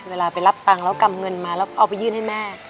เวลาไปรับตังค์แล้วกำเงินมาแล้วเอาไปยื่นให้แม่